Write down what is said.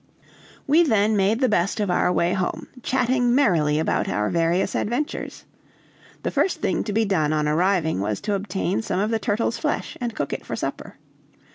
We then made the best of our way home, chatting merrily about our various adventures. The first thing to be done on arriving was to obtain some of the turtle's flesh and cook it for supper.